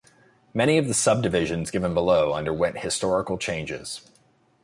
Many of the subdivisions given below underwent historical changes.